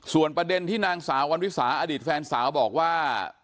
ส่วนประเด็นที่นางสาววันวิสาอดีตแฟนสาวบอกว่า